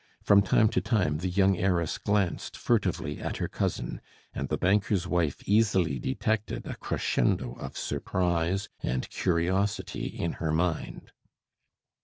From time to time the young heiress glanced furtively at her cousin, and the banker's wife easily detected a crescendo of surprise and curiosity in her mind.